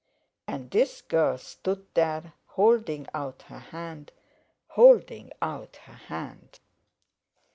And this girl stood there, holding out her hand—holding out her hand!